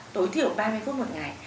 tối thiểu ba mươi phút một ngày